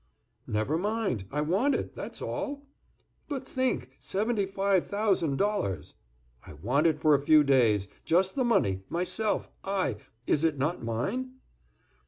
"Never mind, I want it, that's all." "But think; seventy five thousand dollars!" "I want it for a few days. Just the money—myself—I—is it not mine?"